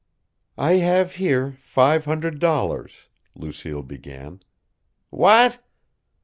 "I have here five hundred dollars," Lucille began. "What!"